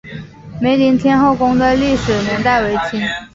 梅林天后宫的历史年代为清。